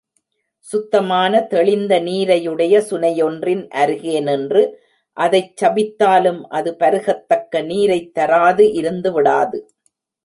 சுத்தமான தெளிந்த நீரையுடைய சுனையொன்றின் அருகே நின்று அதைச் சபித்தாலும் அது பருகத் தக்க நீரைத் தராது இருந்துவிடாது.